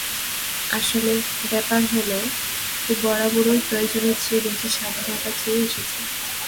আসলে, ব্যাপার হলো, ও বরাবরই প্রয়োজনের চেয়ে বেশি স্বাধীনতা চেয়ে এসেছে।